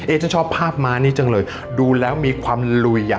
ฉันชอบภาพม้านี้จังเลยดูแล้วมีความลุยอ่ะ